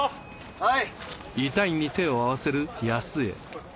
はい。